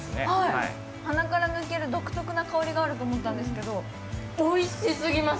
鼻から抜ける独特な香りがあると思ったんですけどおいしすぎます